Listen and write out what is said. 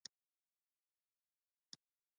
د افغانستان مینه په زړه کې ده